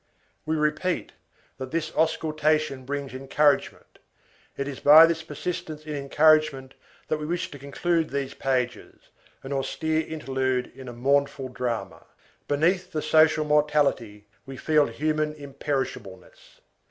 We repeat, that this auscultation brings encouragement; it is by this persistence in encouragement that we wish to conclude these pages, an austere interlude in a mournful drama. Beneath the social mortality, we feel human imperishableness.